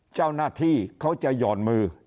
เจ้าหน้าที่เขาจะหย่อนมือ